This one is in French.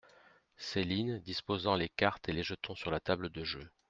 Céline disposant les cartes et les jetons sur la table de jeu.